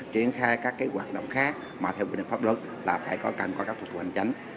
triển khai các hoạt động khác mà theo quyền định pháp luật là phải có cần có các thủ tục hoàn chánh